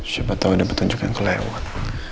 siapa tau udah petunjuk yang kelewat